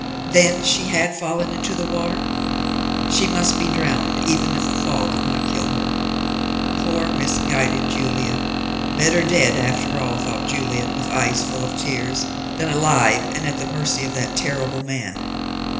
Then she had fallen into the water? She must be drowned even if the fall did not kill her. Poor, misguided Julia. Better dead, after all, thought Juliet, with eyes full of tears, than alive, and at the mercy of that terrible man.